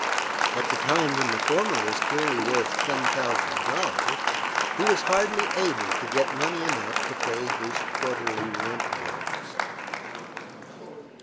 At the time when the former was clearly worth ten thousand dollars, he was hardly able to get money enough to pay his quarterly rent bills.